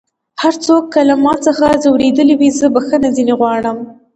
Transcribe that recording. هر څوک که له ما څخه ځؤرېدلی وي زه بخښنه ځينې غواړم